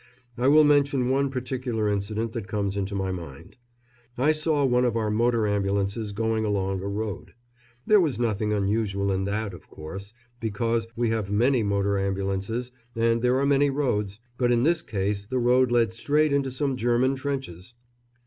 I will mention one particular incident that comes into my mind. I saw one of our motor ambulances going along a road. There was nothing unusual in that, of course, because we have many motor ambulances and there are many roads, but in this case the road led straight into some German trenches.